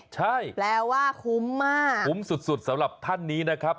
ใช่แปลว่าคุ้มมากคุ้มสุดสำหรับท่านนี้นะครับ